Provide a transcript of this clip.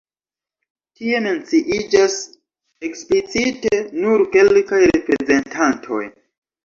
Tie menciiĝas eksplicite nur kelkaj reprezentantoj.